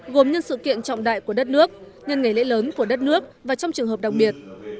gồm nhân sự kiện trọng đại của đất nước nhân ngày lễ lớn của đất nước và trong trường hợp đặc biệt